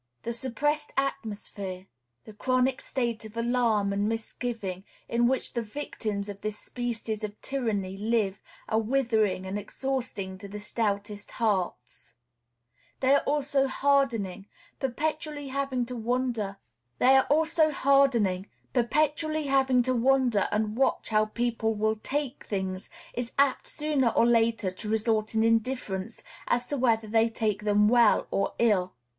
The suppressed atmosphere, the chronic state of alarm and misgiving, in which the victims of this species of tyranny live are withering and exhausting to the stoutest hearts. They are also hardening; perpetually having to wonder and watch how people will "take" things is apt sooner or later to result in indifference as to whether they take them well or ill.